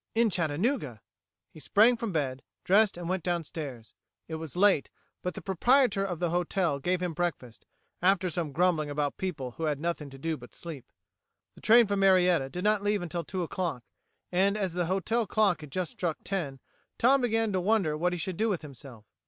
In Chattanooga! He sprang from bed, dressed and went downstairs. It was late, but the proprietor of the hotel gave him breakfast, after some grumbling about people who had nothing to do but sleep. The train from Marietta did not leave until two o'clock, and as the hotel clock had just struck ten, Tom began to wonder what he should do with himself.